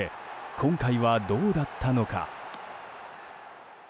今回はどうだったのか。